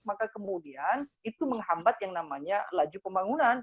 maka kemudian itu menghambat yang namanya laju pembangunan